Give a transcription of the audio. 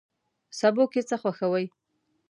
سبو کی څه خوښوئ؟